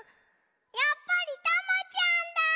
やっぱりタマちゃんだ！